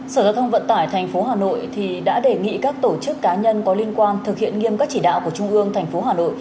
sở giao thông vận tải tp hcm đã đề nghị các tổ chức cá nhân có liên quan thực hiện nghiêm các chỉ đạo của trung ương tp hcm